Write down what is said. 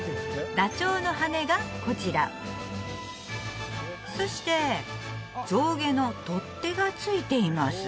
ダチョウの羽がこちらそして象牙の取っ手がついています